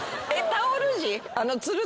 タオル地。